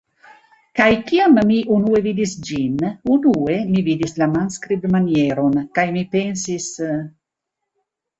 Kaj kiam mi unue vidis ĝin, unue mi vidis la manskribmanieron, kaj mi pensis: